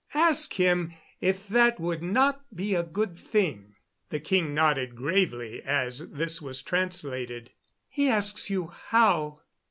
Ask him if that would not be a good thing." The king nodded gravely as this was translated. "He asks you how?"